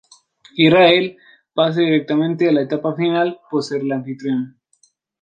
Israel pasa directamente a la etapa final por ser la anfitriona.